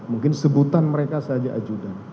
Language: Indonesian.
mungkin sebutan mereka saja ajudan